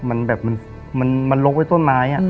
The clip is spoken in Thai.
มันลกไว้ต้นไม้